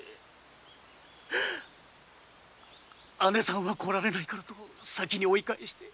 姐さんは来られないと先に追い返して。